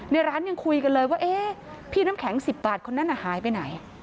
ในร้านยังคุยกันเลยว่าเอ๊ะพี่น้ำแข็ง๑๐บาทคนนั้นหายไปไหน